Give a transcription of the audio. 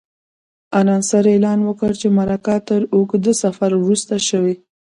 انانسر اعلان وکړ چې مرکه تر اوږده سفر وروسته شوې.